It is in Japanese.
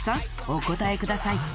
お答えください